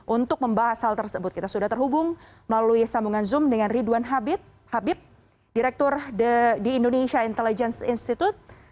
untuk membahas hal tersebut kita sudah terhubung melalui sambungan zoom dengan ridwan habib direktur di indonesia intelligence institute